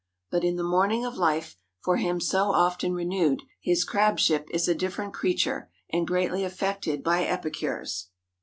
But in the morning of life, for him so often renewed, his crabship is a different creature, and greatly affected by epicures.